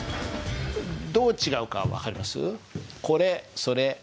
どう違うか分かります？